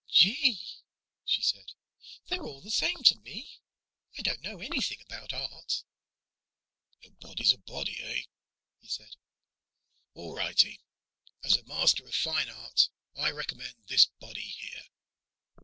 "Gee," she said, "they're all the same to me. I don't know anything about art." "A body's a body, eh?" he said. "All righty. As a master of fine art, I recommend this body here."